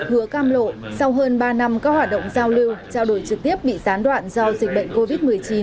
hứa cam lộ sau hơn ba năm các hoạt động giao lưu trao đổi trực tiếp bị gián đoạn do dịch bệnh covid một mươi chín